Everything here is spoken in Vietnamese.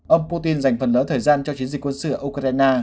ông putin dành phần lớn thời gian cho chiến dịch quân sự ở ukraine